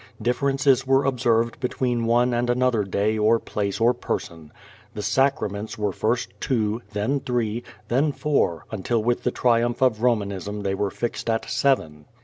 Differences were observed between one and another day or place or person, "The sacraments" were first two, then three, then four until with the triumph of Romanism they were fixed at seven.